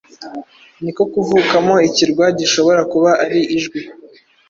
niko kuvukamo ikirwa gishobora kuba ari Ijwi .